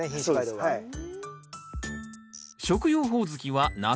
はい。